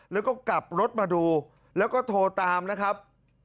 แล้วก็กลับรถมาดูแล้วก็โทรตามนะครับ